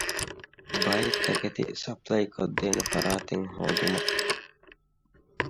ބައެއް ތަކެތި ސަޕްލައި ކޮށްދޭނެ ފަރާތެއް ހޯދުމަށް